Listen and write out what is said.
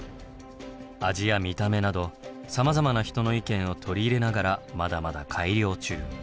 味や見た目などさまざまな人の意見を取り入れながらまだまだ改良中。